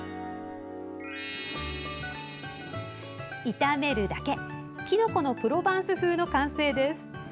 炒めるだけきのこのプロバンス風の完成です。